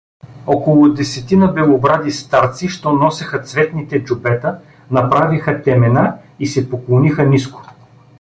Около десетина белобради старци, що носеха цветните джубета, направиха темена и се поклониха ниско.